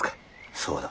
そうだ。